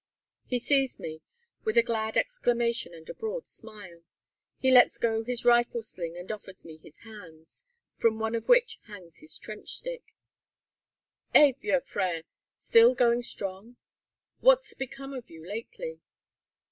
He sees me with a glad exclamation and a broad smile. He lets go his rifle sling and offers me his hands, from one of which hangs his trench stick "Eh, vieux frere, still going strong? What's become of you lately?"